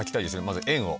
まず円を。